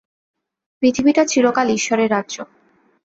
পৃথিবীটা চিরকাল ঈশ্বরের রাজ্য।